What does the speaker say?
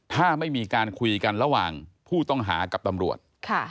ถ้าไม่มีการคุยกันระหว่างผู้ต้องหากับตำรวจ